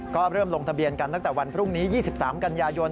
ก็เริ่มลงทะเบียนกันตั้งแต่วันพรุ่งนี้๒๓กันยายน